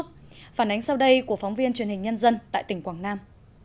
phản ánh sau đây của phóng viên truyền hình nhân dân tại tỉnh quảng nam